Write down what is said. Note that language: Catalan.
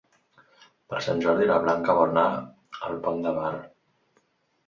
Per Sant Jordi na Blanca vol anar al Pont de Bar.